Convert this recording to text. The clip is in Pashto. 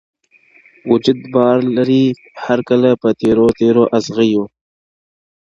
وجود بار لري هر کله په تېرو تېرو ازغیو-